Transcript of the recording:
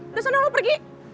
udah seneng lo pergi